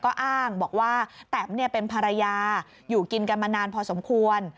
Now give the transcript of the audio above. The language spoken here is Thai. ก็อ้างบอกว่าแตมเป็นภรรยาอยู่กินกันมานานพอสมควร